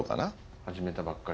始めたばっかり？